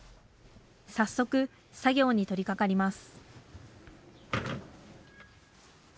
早速作業に取りかかります